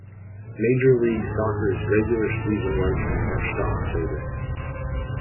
Major League Soccer's regular season runs from March to October.